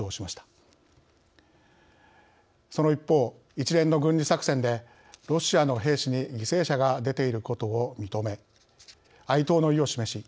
その一方一連の軍事作戦でロシアの兵士に犠牲者が出ていることを認め哀悼の意を示し